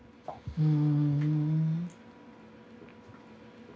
うん。